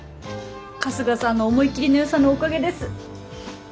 春日さんの思い切りのよさのおかげです。